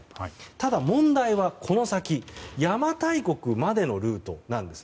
ただ、問題はこの先邪馬台国までのルートなんです。